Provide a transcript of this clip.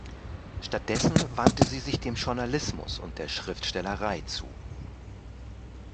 Stattdessen wandte sie sich dem Journalismus und der Schriftstellerei zu.